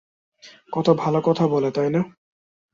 কতো ভাল কথা বলে তাই না?